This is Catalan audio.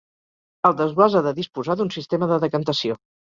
El desguàs ha de disposar d'un sistema de decantació.